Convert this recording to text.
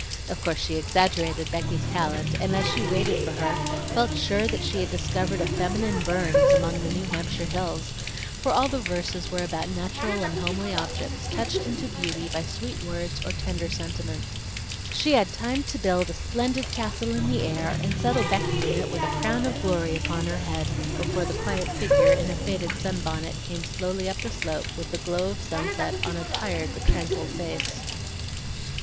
Of course she exaggerated Becky's talent, and as she waited for her, felt sure that she had discovered a feminine Burns among the New Hampshire hills, for all the verses were about natural and homely objects, touched into beauty by sweet words or tender sentiment. She had time to build a splendid castle in the air and settle Becky in it with a crown of glory on her head, before the quiet figure in a faded sunbonnet came slowly up the slope with the glow of sunset on a tired but tranquil face.